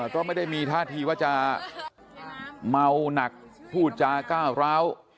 ก็ไม่ได้มีท่าทีว่าจะเมาหนักพูดจาก้าวร้าว